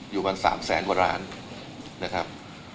อยู่กัน๓แสนกว่าล้านนะครับ